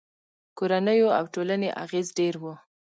کورنیو او ټولنې اغېز ډېر و.